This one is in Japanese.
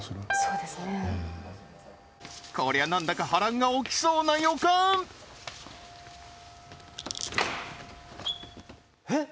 うんこりゃなんだか波乱が起きそうな予感えっ？